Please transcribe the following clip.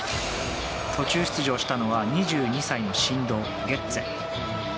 途中出場したのは２２歳の神童、ゲッツェ。